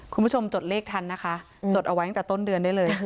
จดเลขทันนะคะจดเอาไว้ตั้งแต่ต้นเดือนได้เลย